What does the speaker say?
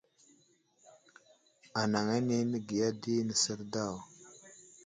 Anaŋ ane nəgiya di nəsər daw.